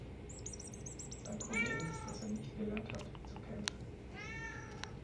Sein Problem ist, dass er nicht gelernt hat, zu kämpfen.